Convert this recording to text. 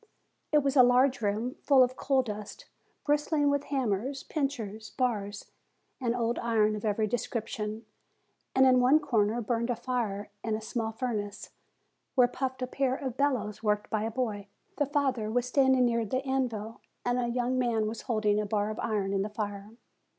It was a large room, full of coal dust, bristling with hammers, pincers, bars, and old iron of every description; and in one corner burned a fire in a small furnace, where puffed a pair of bellows worked by a boy. Precossi, the father, was standing near the anvil, and a young man was holding a bar of iron in the fire.